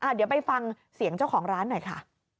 เดี๋ยวไปฟังเสียงเจ้าของร้านหน่อยค่ะ